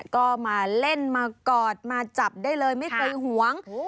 ก็มาเล่นมากอดมาจับได้เลยไม่เคยหวง